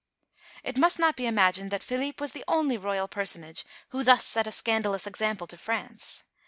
It must not be imagined that Philippe was the only Royal personage who thus set a scandalous example to France.